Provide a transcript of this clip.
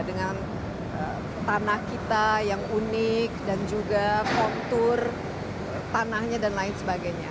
dengan tanah kita yang unik dan juga kontur tanahnya dan lain sebagainya